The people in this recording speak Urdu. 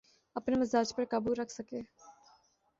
اپنے مزاج پہ قابو رکھ سکے۔